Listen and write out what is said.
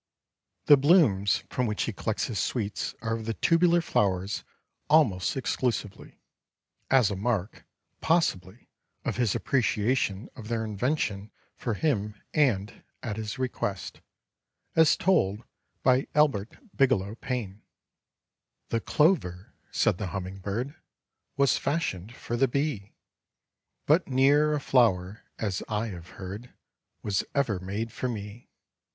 '" The blooms from which he collects his sweets are of the tubular flowers almost exclusively, as a mark, possibly, of his appreciation of their invention for him and at his request, as told by Albert Bigelow Paine: "The clover, said the humming bird, Was fashioned for the bee, But ne'er a flower, as I have heard, Was ever made for me.